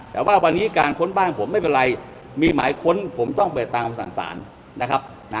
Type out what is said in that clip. แต่ว่าวันนี้การค้นบ้านผมไม่เป็นไรมีหมายค้นผมต้องไปตามคำสั่งสารนะครับ